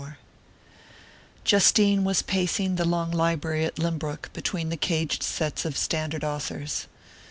XXIV JUSTINE was pacing the long library at Lynbrook, between the caged sets of standard authors.